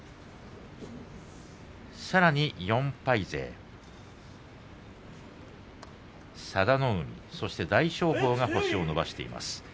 さらに４敗勢、佐田の海大翔鵬が星を伸ばしています。